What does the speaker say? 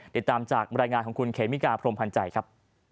ติดตามจากบรรยายงานของคุณเคมิกาพรมพันธ์ใจครับ